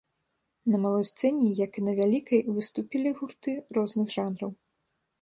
На малой сцэне, як і на вялікай, выступілі гурты розных жанраў.